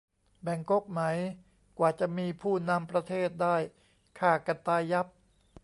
แบ่งก๊กไหม กว่าจะมีผู้นำประเทศได้ฆ่ากันตายยับ